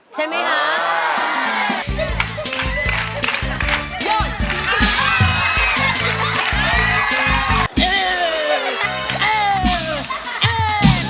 ใช่มั้ยครับ